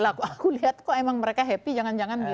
aku lihat kok emang mereka happy jangan jangan